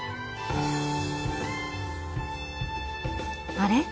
あれ？